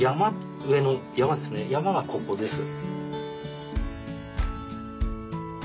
山がここです。